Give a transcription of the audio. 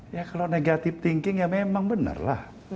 ya kalau negative thinking ya memang benar lah